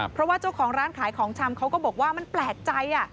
เพราะว่าเจ้าของร้านขายของชำเขาก็บอกว่ามันแปลกใจ